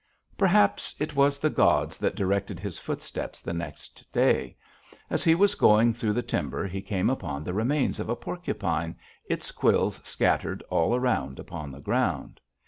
"Perhaps it was the gods that directed his footsteps the next day. As he was going through the timber he came upon the remains of a porcupine, its quills scattered all around upon the ground.